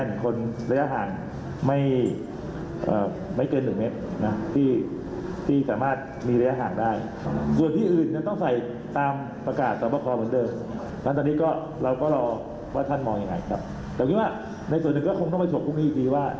ในส่วนหนึ่งก็คงต้องไปโชคพรุ่งนี้อีกทีว่า